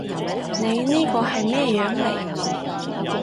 你呢個係咩樣嚟？